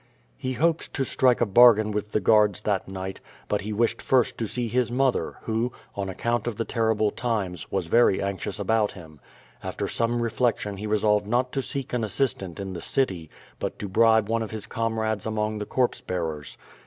He hoped to strike a bargain with the guanls that night, but he wished first to see his mother, who, on account of the terrible times, was very anxious about him. After some re flection he resolved, not to seek an assistant in the city, but to bribe one of his comrades among the corpse bearers.